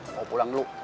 mau pulang dulu